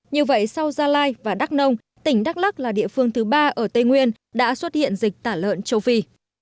như vậy sau gia lai và đắk nông tỉnh đắk lắc là địa phương thứ ba ở tây nguyên đã xuất hiện dịch tả lợn châu phi